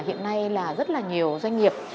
hiện nay là rất là nhiều doanh nghiệp